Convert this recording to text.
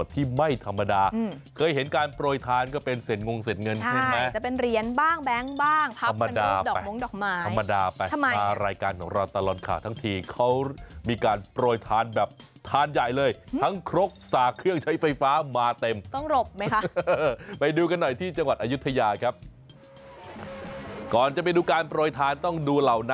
ที่ไม่ธรรมดาเคยเห็นการโปรยทานก็เป็นเสร็จงงเสร็จเงินใช่ไหมจะเป็นเหรียญบ้างแบงค์บ้างธรรมดาดอกมงดอกไม้ธรรมดาไปมารายการของเราตลอดข่าวทั้งทีเขามีการโปรยทานแบบทานใหญ่เลยทั้งครกสากเครื่องใช้ไฟฟ้ามาเต็มต้องหลบไหมคะไปดูกันหน่อยที่จังหวัดอายุทยาครับก่อนจะไปดูการโปรยทานต้องดูเหล่านะ